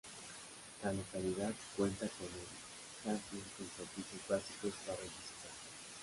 La localidad cuenta con un camping con servicios básicos para el visitante.